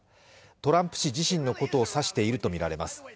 トランプ氏自身のことを指しているとみられます。